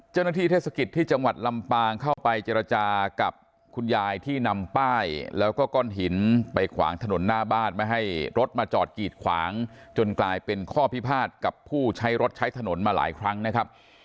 เทศกิจที่จังหวัดลำปางเข้าไปเจรจากับคุณยายที่นำป้ายแล้วก็ก้อนหินไปขวางถนนหน้าบ้านไม่ให้รถมาจอดกีดขวางจนกลายเป็นข้อพิพาทกับผู้ใช้รถใช้ถนนมาหลายครั้งนะครับ